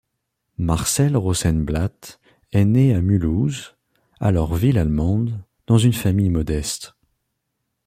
Marcel Rosenblatt est né à Mulhouse, alors ville allemande, dans une famille modeste.